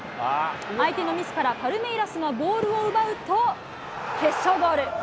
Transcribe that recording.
相手のミスからパルメイラスがボールを奪うと決勝ゴール！